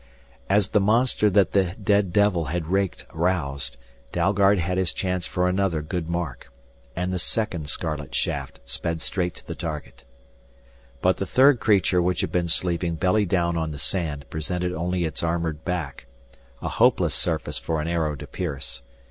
As the monster that the dead devil had raked roused, Dalgard had his chance for another good mark. And the second scarlet shaft sped straight to the target. But the third creature which had been sleeping belly down on the sand presented only its armored back, a hopeless surface for an arrow to pierce.